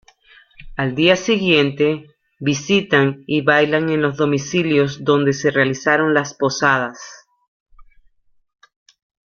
Al día siguiente, visitan y bailan en los domicilios donde se realizaron las posadas.